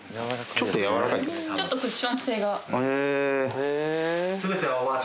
ちょっとクッション性が。